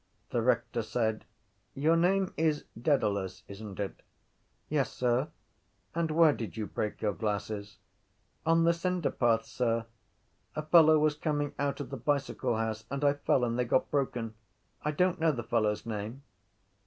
The rector said: —Your name is Dedalus, isn’t it? —Yes, sir. —And where did you break your glasses? —On the cinderpath, sir. A fellow was coming out of the bicycle house and I fell and they got broken. I don’t know the fellow’s name.